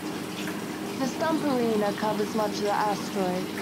The Stump Arena covers much of the asteroid.